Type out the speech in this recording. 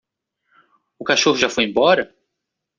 O cachorro já foi embora?